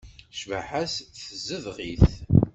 Cbaḥa-s tezdeɣ-it.